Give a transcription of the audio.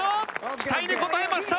期待に応えました！